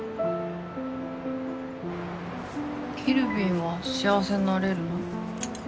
ケルヴィンは幸せになれるの？